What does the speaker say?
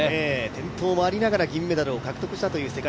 転倒もありながら金メダルを獲得しました。